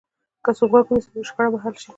که څوک غوږ ونیسي، نو شخړه به حل شي.